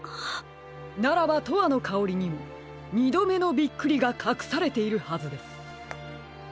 ならば「とわのかおり」にもにどめのびっくりがかくされているはずです。